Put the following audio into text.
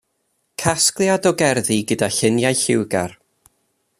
Casgliad o gerddi gyda lluniau lliwgar.